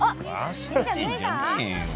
忘れてんじゃねえよ！